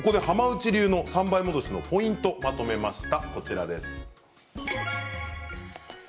浜内流の３倍戻しのポイントをまとめました。